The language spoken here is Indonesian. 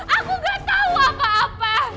aku gak tahu apa apa